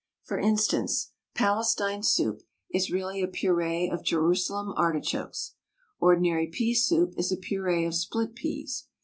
For instance, Palestine soup is really a puree of Jerusalem artichokes; ordinary pea soup is a puree of split peas.